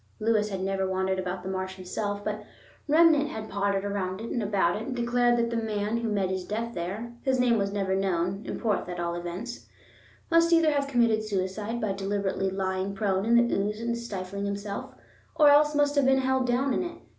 Lewis had never wandered about the marsh himself; but Remnant had pottered round it and about it, and declared that the man who met his death there—his name was never known, in Porth at all events—must either have committed suicide by deliberately lying prone in the ooze and stifling himself, or else must have been held down in it.